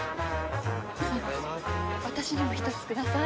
私にも１つください。